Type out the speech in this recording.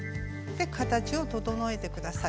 形を整えて下さい。